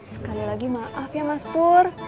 sekali lagi maaf ya mas pur